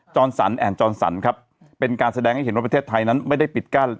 จรสันแอ่นจรสันครับเป็นการแสดงให้เห็นว่าประเทศไทยนั้นไม่ได้ปิดกั้น